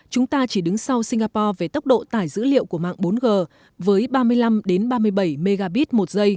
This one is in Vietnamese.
chúng ta chỉ đứng sau singapore về tốc độ tải dữ liệu của mạng bốn g với ba mươi năm ba mươi bảy mbps